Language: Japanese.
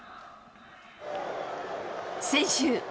先週。